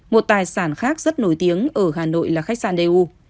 một tài sản khác rất nổi tiếng ở hà nội là khách sạn đê u